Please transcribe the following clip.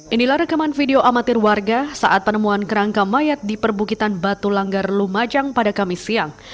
inilah rekaman video amatir warga saat penemuan kerangka mayat di perbukitan batu langgar lumajang pada kamis siang